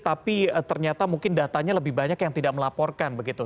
tapi ternyata mungkin datanya lebih banyak yang tidak melaporkan begitu